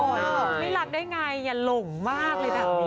ไม่หลักได้ไงอย่าหลงมากเลยแบบนี้